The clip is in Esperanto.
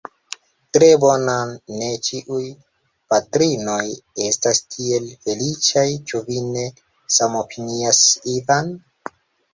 Tre bonan, ne ĉiuj patrinoj estas tiel feliĉaj; ĉu vi ne samopinias Ivan?